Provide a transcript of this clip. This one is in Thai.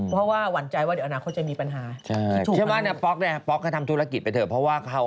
เพราะว่าหวั่นใจว่าเดี๋ยวอนาคตเค้าจะมีปัญหา